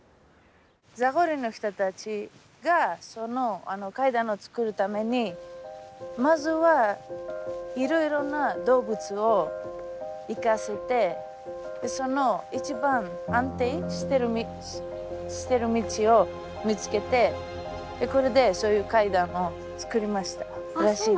ザゴリの人たちがその階段を作るためにまずはいろいろな動物を行かせてその一番安定している道を見つけてこれでそういう階段を作りましたらしいです。